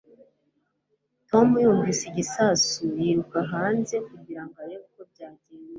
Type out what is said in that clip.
Tom yumvise igisasu yiruka hanze kugira ngo arebe uko byagenze